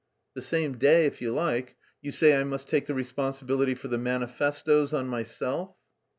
"The same day if you like. You say I must take the responsibility for the manifestoes on myself?"